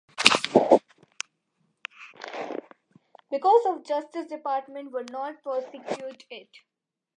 Because the Justice Department would not prosecute it.